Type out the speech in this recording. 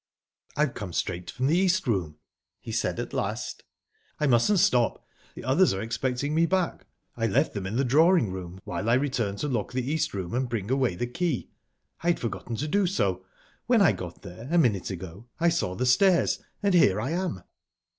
"I've come straight from the East Room," he said at last. "I mustn't stop the others are expecting me back. I left them in the drawing room, while I returned to lock the East Room and bring away the key. I had forgotten to do so. When I got there a minute ago I saw the stairs, and here I am."